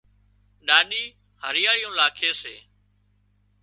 ڏاڏِي هريئاۯيون لاکي سي